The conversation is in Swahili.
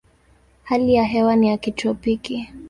Hali ya hewa ni ya kitropiki.